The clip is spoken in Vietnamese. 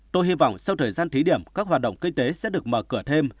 tôi hy vọng sau thời gian thí điểm các hoạt động kinh tế sẽ được mở cửa thêm